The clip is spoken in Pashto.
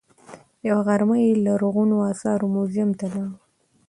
یوه غرمه یې لرغونو اثارو موزیم ته لاړ.